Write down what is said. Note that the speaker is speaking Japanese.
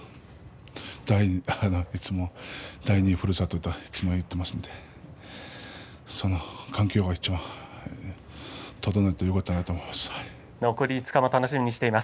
第２のふるさとといつも言っていますのでその環境がいちばん整ってよかったなと思います。